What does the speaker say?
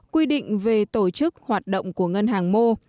quy định về tổ chức hoạt động của ngân hàng mô